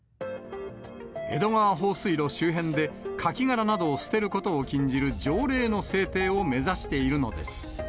江戸川放水路周辺で、カキ殻などを捨てることを禁じる条例の制定を目指しているのです。